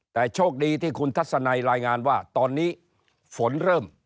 แต่โชคดีที่คุณทัศนัยรายงานว่าตอนนี้ฝนเริ่ม